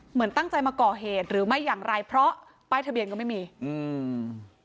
เหมือนตั้งใจมาก่อเหตุหรือไม่อย่างไรเพราะป้ายทะเบียนก็ไม่มีอืม